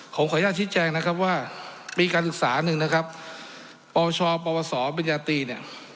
ผมขออนุญาตชี้แจงนะครับว่ามีการศึกษาหนึ่งนะครับปชปวสปริญญาตรีเนี่ย